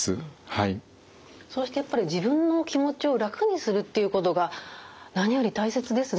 そうしてやっぱり自分の気持ちを楽にするっていうことが何より大切ですね。